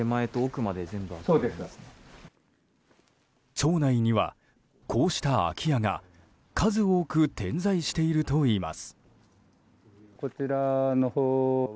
町内には、こうした空き家が数多く点在しているといいます。